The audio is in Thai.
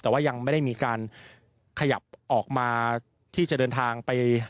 แต่ว่ายังไม่ได้มีการขยับออกมาที่จะเดินทางไป